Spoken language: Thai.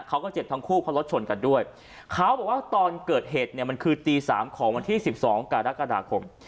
เขาก็เจ็บทั้งคู่เพราะรถชนกันด้วยเขาบอกว่าตอนเกิดเหตุเนี่ยมันคือตีสามของวันที่สิบสองกรกฎาคม